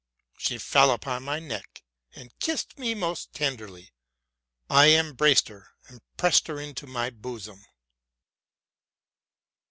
'' She fell upon my neck, and kissed me most tenderly. I embraced her, and pressed her to my bosom.